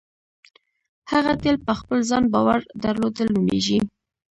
هغه تیل په خپل ځان باور درلودل نومېږي.